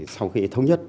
sau khi thống nhất